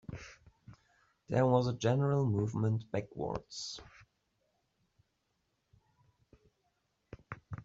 There was a general movement backwards.